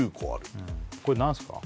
これ何すか？